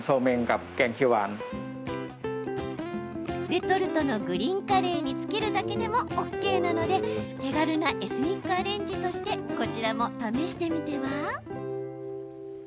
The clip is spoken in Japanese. レトルトのグリーンカレーにつけるだけでもＯＫなので手軽なエスニックアレンジとしてこちらも試してみては？